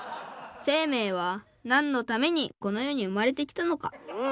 生命はなんのためにこの世にうまれてきたのか。